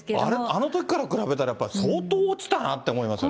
あのときから比べたら、やっぱり相当落ちたなって思いますよ